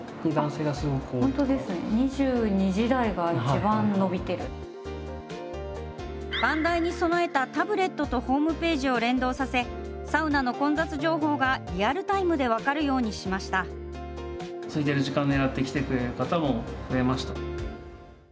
番台に備えたタブレットとホームページを連動させ、サウナの混雑情報がリアルタイムで分かるようにしました。